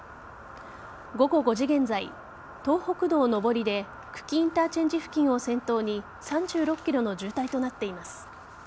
午後５時現在東北道上りで久喜インターチェンジ付近を先頭に３６ｋｍの渋滞となっています。